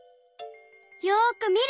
よくみる！